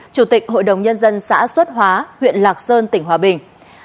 chủ tịch hội đồng nhân dân xã xuất hóa huyện lạc sơn tỉnh hòa bình